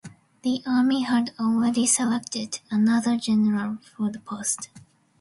The Army had already selected another general for the post.